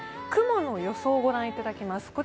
雲の予想を御覧いただきます。